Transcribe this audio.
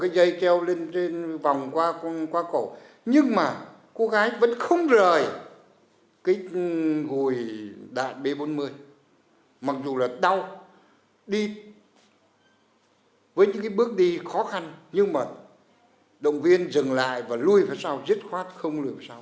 đi với những cái bước đi khó khăn nhưng mà động viên dừng lại và lùi vào sau dứt khoát không lùi vào sau